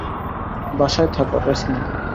বাসায় থাক, রেষ্ট নাও!